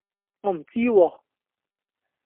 我唔知喎